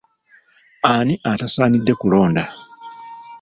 Ani atasaanidde kulonda?